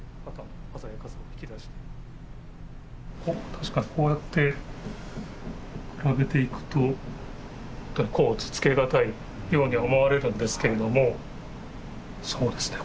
確かにこうやって比べていくと甲乙つけがたいように思われるんですけれどもそうですね